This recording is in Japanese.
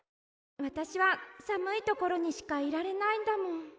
わたしはさむいところにしかいられないんだもん。